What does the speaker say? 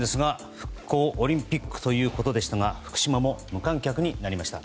復興オリンピックということでしたが福島も無観客になりました。